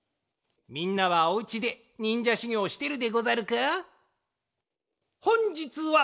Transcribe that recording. みんなはおうちでにんじゃしゅぎょうしてるでござるか？